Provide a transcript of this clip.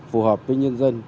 phù hợp với nhân dân